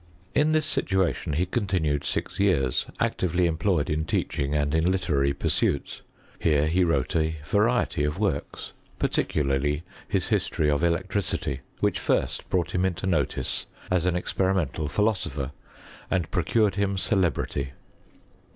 In this situation he continued six years, actively employed in teaching and in literary pur suits. Here he wrote a variety of works, particu larly his History of Electricity, which first brought him into notice as an experimental philosopher, and procured him celebrity.